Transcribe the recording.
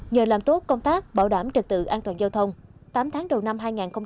nhờ làm tốt công tác bảo đảm trật tự an toàn giao thông tám tháng đầu năm hai nghìn hai mươi bốn